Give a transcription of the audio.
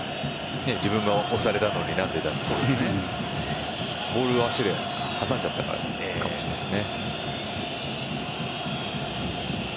自分で押されたのに何でだと。ボールを足で挟んじゃったかもしれないですね。